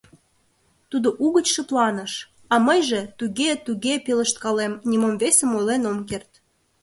Тудо угыч шыпланыш, а мыйже «Туге, туге» пелешткалем, нимом весым ойлен ом керт.